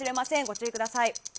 ご注意ください。